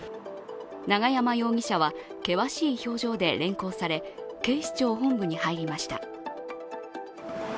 永山容疑者は、険しい表情で連行され、警視庁本部に入りました。